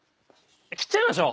切っちゃいましょう。